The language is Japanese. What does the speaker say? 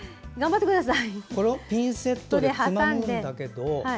これをピンセットでつまむんだけど。